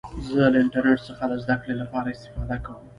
زه له انټرنټ څخه د زدهکړي له پاره استفاده کوم.